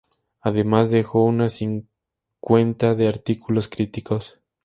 Además dejó una cincuentena de artículos críticos.